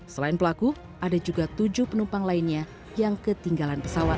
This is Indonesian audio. selain pelaku ada juga tujuh penumpang lainnya yang ketinggalan pesawat